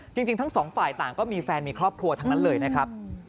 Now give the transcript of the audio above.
จริงทั้งสองฝ่ายต่างก็มีแฟนมีครอบครัวทั้งนั้นเลยนะครับ